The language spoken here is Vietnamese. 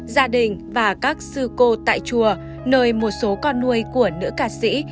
gia đình và các sư cô tại chùa nơi một số con nuôi của nữ ca sĩ